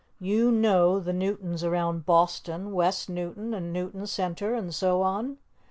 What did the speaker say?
"You know the Newtons around Boston, West Newton, and Newton Center, and so on.